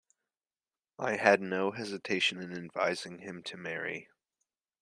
I had no hesitation in advising him to marry.